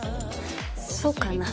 そうかな？